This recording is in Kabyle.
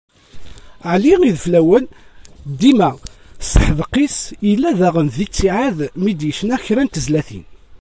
Ɛli Ideflawen, dima s teḥdeq-is, yella daɣen di ttiɛad mi d-yecna kra n tezlatin.